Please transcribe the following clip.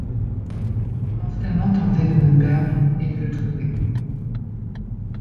J'ai constamment tenté de me perdre, et de le trouver.